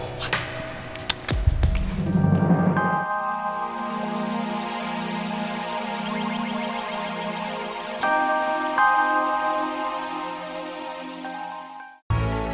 sampai jumpa lagi